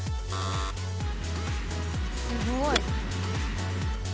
すごい。